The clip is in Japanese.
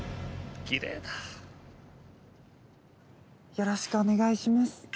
よろしくお願いします。